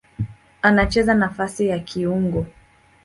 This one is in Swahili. Anacheza nafasi ya kiungo.